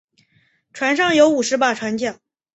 船上有五十把船浆。